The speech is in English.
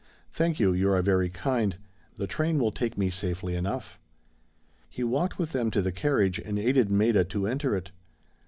"Thank you, you are very kind. The train will take me safely enough." He walked with them to the carriage, and aided Maida to enter it.